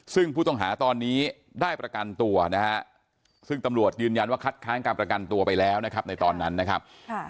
ซึ่งผู้ต้องหาตอนนี้ได้ประกันตัวนะฮะซึ่งตำรวจยืนยันว่าคัดค้างการประกันตัวไปแล้วนะครับในตอนนั้นนะครับ